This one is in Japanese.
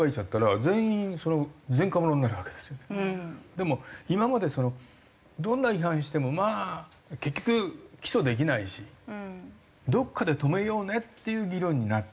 でも今までそのどんな違反してもまあ結局起訴できないしどっかで止めようねっていう議論になってきた。